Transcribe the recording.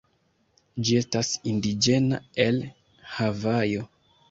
Ĝi estas indiĝena el Havajo.